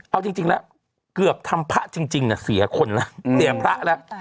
เอาจริงแล้วเกือบทำพระจริงเสียคนแล้วเสียพระแล้ว